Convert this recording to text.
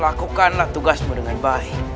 lakukanlah tugasmu dengan baik